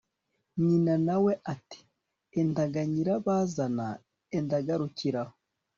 nyina na we ati 'enda ga nyirabazana, enda garukira aho